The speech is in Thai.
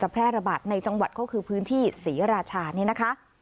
แพร่ระบาดในจังหวัดก็คือพื้นที่ศรีราชานี่นะคะ